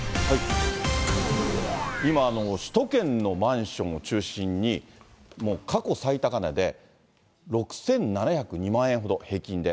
今、首都圏のマンションを中心に、もう過去最高値で、６７０２万円ほど、平均で。